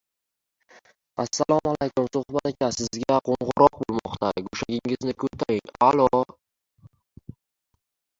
• Faqat bir tomonni eshitib hukm qilma.